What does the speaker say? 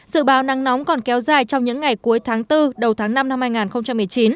dự báo nắng nóng còn kéo dài trong những ngày cuối tháng bốn đầu tháng năm năm hai nghìn một mươi chín